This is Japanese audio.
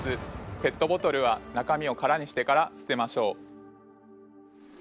ペットボトルは中身を空にしてから捨てましょう！